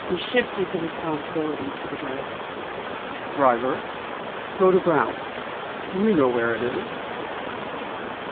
He shifted the responsibility to the driver. "Driver, go to Brown's. You know where it is?"